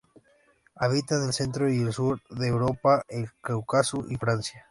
Habita en el centro y el sur de Europa, el Cáucaso y Francia.